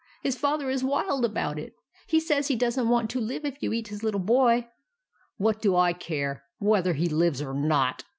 His father is wild about it. He says he does n't want to live if you eat his little boy." "WHAT DO I CARE WHETHER HE LIVES OR NOT?"